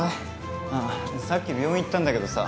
あさっき病院行ったんだけどさ